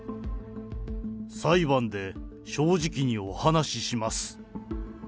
裁判で正直にお話しします。